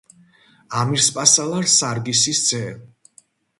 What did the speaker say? ამირსპასალარ სარგისის ძე.